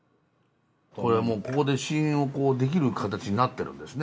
これもうここで試飲をできる形になっているんですね。